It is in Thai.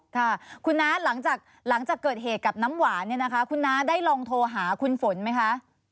ค่ะคุณน้าหลังจากเกิดเหตุกับน้ำหวานเนี่ยนะคะคุณน้าได้ลองโทรหาคุณฝนไหมคะ